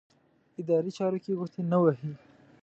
اداري چارو کې ګوتې نه وهي.